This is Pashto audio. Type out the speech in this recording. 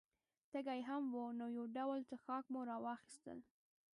تږي هم وو، نو یو ډول څښاک مو را واخیستل.